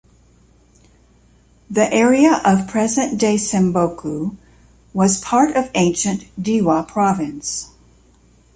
The area of present-day Semboku was part of ancient Dewa Province.